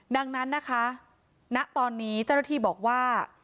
ดังนั้นนะคะณตอนนี้เจ้าหน้าที่บอกว่า